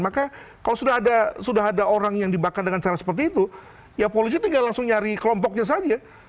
maka kalau sudah ada orang yang dibakar dengan cara seperti itu ya polisi tinggal langsung nyari kelompoknya saja